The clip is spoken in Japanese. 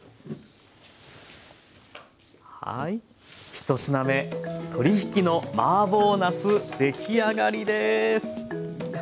１品目「鶏ひきのマーボーなす」出来上がりです。